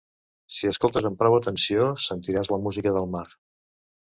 Si escoltes amb prou atenció, sentiràs la música del mar.